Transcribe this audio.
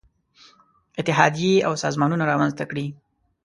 اتحادیې او سازمانونه رامنځته کړي.